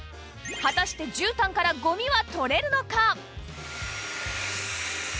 果たしてじゅうたんからゴミは取れるのか？